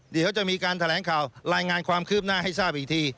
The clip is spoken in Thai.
เดี๋ยวจะมีการแถลงข่าวรายงานความคืบหน้าให้ทราบอีกที